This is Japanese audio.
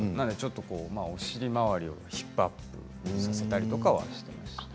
お尻周りをヒップアップさせたりはしました。